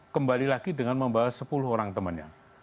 kembali lagi dengan membawa sepuluh orang temannya